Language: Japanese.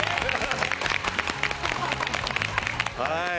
はい。